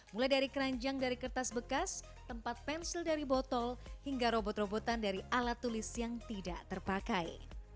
mulai dari keranjang dari kertas bekas tempat pensil dari botol hingga robot robotan dari alat tulis yang tidak terpakai